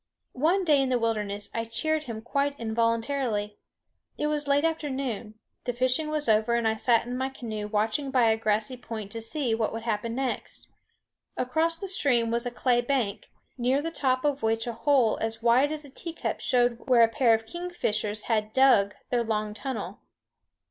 One day in the wilderness I cheered him quite involuntarily. It was late afternoon; the fishing was over, and I sat in my canoe watching by a grassy point to see what would happen next. Across the stream was a clay bank, near the top of which a hole as wide as a tea cup showed where a pair of kingfishers had dug their long tunnel.